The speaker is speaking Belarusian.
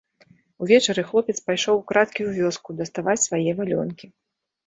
Увечары хлопец пайшоў украдкі ў вёску даставаць свае валёнкі.